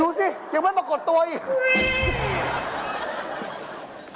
สิยังไม่ปรากฏตัวอีก